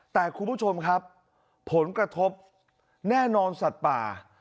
แต่คุณผู้ชมครับผลกระทบแน่นอนสัตว์ป่า